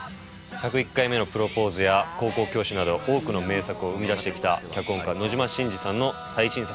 『１０１回目のプロポーズ』や『高校教師』など多くの名作を生み出してきた脚本家野島伸司さんの最新作となっております。